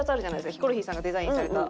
ヒコロヒーさんがデザインされた。